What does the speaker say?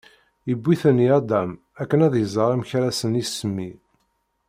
iwwi-ten i Adam akken ad iẓer amek ara sen-isemmi.